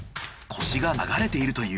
腰が流れているという。